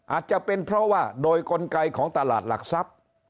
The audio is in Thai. อาจจะเป็นเพราะว่าโดยกลไกของตลาดหลักทรัพย์